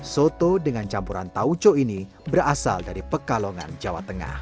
soto dengan campuran tauco ini berasal dari pekalongan jawa tengah